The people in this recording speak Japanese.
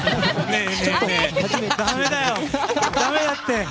だめだって。